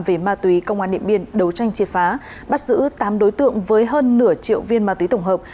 về ma túy công an điện biên đấu tranh triệt phá bắt giữ tám đối tượng với hơn nửa triệu viên ma túy tổng hợp